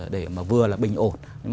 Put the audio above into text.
để vừa là bình ổn